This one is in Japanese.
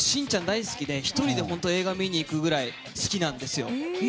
大好きで１人で映画を見に行くぐらい好きなんですよ。